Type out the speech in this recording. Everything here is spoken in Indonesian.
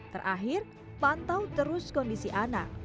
terakhir pantau terus kondisi anak